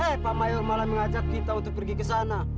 eh pak mayor malah mengajak kita untuk pergi ke sana